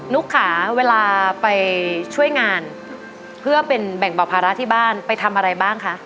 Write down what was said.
ุ๊กขาเวลาไปช่วยงานเพื่อเป็นแบ่งเบาภาระที่บ้านไปทำอะไรบ้างคะ